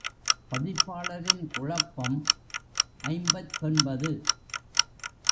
பதிப்பாளரின் குழப்பம் ஐம்பத்தொன்பது.